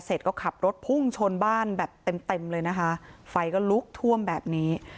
เสร็จก็ขับรถพุ่งชนบ้านแบบเต็มเต็มเลยนะคะไฟก็ลุกท่วมแบบนี้